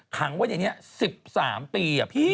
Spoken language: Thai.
ขังเว้งนี่เนี่ย๑๓ปีอ่ะพี่